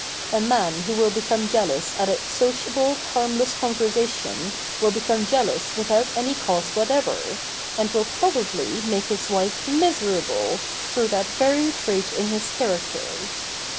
A man who will become jealous at a sociable, harmless conversation will become jealous without any cause whatever, and will probably make his wife miserable through that very trait in his character.